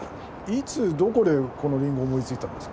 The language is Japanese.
・いつどこでこのりんごを思いついたんですか？